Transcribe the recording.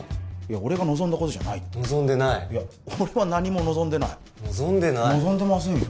俺が望んだことじゃないって望んでない俺は何も望んでない望んでない望んでませんよ